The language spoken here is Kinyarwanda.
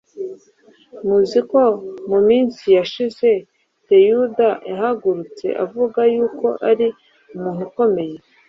Muzi ko mu minsi yashize Teyuda yahagurutse, avuga yuko ari umuntu ukomeye;